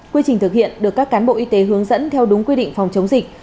quy trình thực hiện được các cán bộ y tế hướng dẫn theo đúng quy định phòng chống dịch